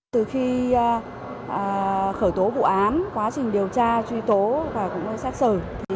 từ khi khởi tố vụ án quá trình điều tra truy tố và cũng xét xử